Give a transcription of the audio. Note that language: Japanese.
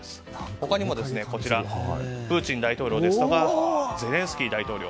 他にも、プーチン大統領とかゼレンスキー大統領